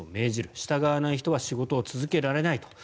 従わない人は仕事を続けられない。